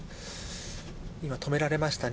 今、止められましたね。